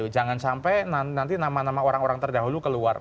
jangan sampai nanti nama nama orang orang terdahulu keluar